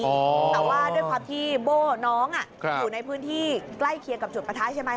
แต่ว่าด้วยความที่โบ้น้องอยู่ในพื้นที่ใกล้เคียงกับจุดประทะใช่ไหม